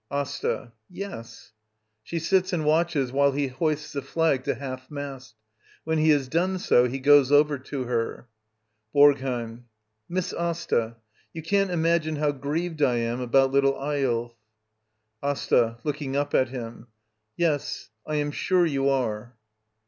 AsTA. Yes. [She sits and watches while he hoists the flag to half mast When he has done so, he goes over to her.] BoRGHEiM. Miss Asta — you can't imagine how grieved I am about little Eyolf. Asta. [Looking up at him.] Yes, I am sure you are.